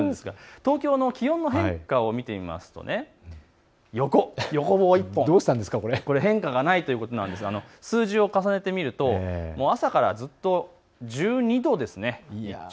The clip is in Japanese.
東京の気温の変化を見ていきますと横棒１本、変化がないということなんですが、数字を重ねてみると朝からずっと１２度ですね。